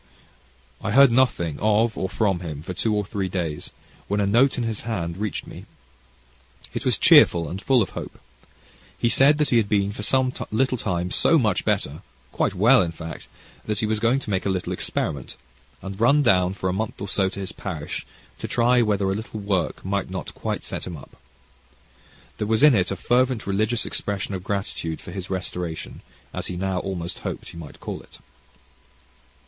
I heard nothing of or from him for two or three days, when a note in his hand reached me. It was cheerful, and full of hope. He said that he had been for some little time so much better quite well, in fact that he was going to make a little experiment, and run down for a month or so to his parish, to try whether a little work might not quite set him up. There was in it a fervent religious expression of gratitude for his restoration, as he now almost hoped he might call it.